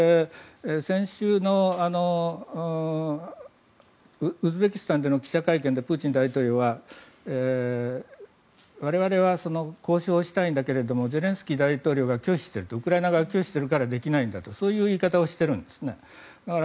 先週のウズベキスタンでの記者会見でプーチン大統領は我々は交渉したいんだけれどもゼレンスキー大統領が拒否しているウクライナ側が拒否しているからできないんだとそういう言い方をしているんですね。